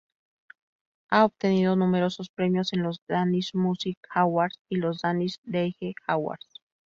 Ha obtenido numerosos premios en los Danish Music Awards y los Danish DeeJay Awards.